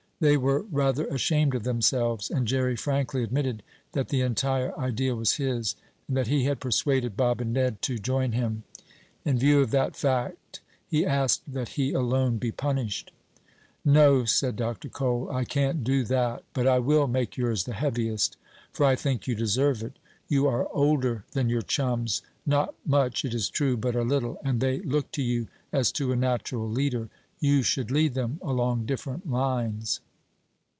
They were rather ashamed of themselves, and Jerry frankly admitted that the entire idea was his, and that he had persuaded Bob and Ned to join him. In view of that fact he asked that he alone be punished. "No," said Dr. Cole. "I can't do that. But I will make yours the heaviest, for I think you deserve it. You are older than your chums, not much it is true, but a little, and they look to you as to a natural leader. You should lead them along different lines."